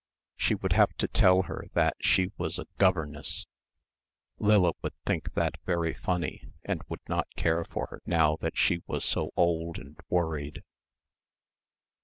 She would have to tell her that she was a governess. Lilla would think that very funny and would not care for her now that she was so old and worried....